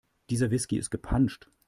Dieser Whisky ist gepanscht.